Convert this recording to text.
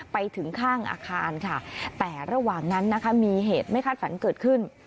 ไปถึงข้างอาคารค่ะแต่ระหว่างนั้นนะคะมีเหตุไม่คาดฝันเกิดขึ้น